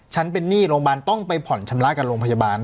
ฉันเป็นหนี้โรงพยาบาลต้องไปผ่อนชำระกับโรงพยาบาล